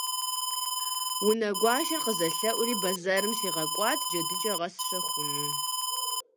Унэгуащэр къызэлъэӀури бэзэрым сигъэкӀуат джэдыкӀэ къэсщэхуну.